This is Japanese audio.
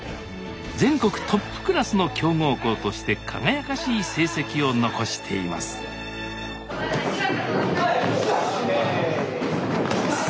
全国トップクラスの強豪校として輝かしい成績を残しています・おい。